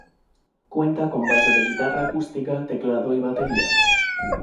Cuenta con base de guitarra acústica, teclado y batería.